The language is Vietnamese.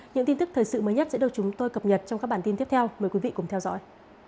những tin tức thời sự mới nhất sẽ được chúng tôi cập nhật trong các bản tin tiếp theo mời quý vị cùng theo dõi